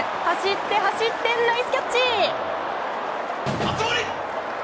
走って、走ってナイスキャッチ！